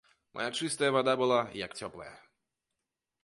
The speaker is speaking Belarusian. Мая чыстая вада была, як цёплая.